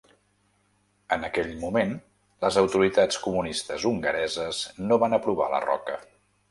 En aquell moment, les autoritats comunistes hongareses no van aprovar la roca.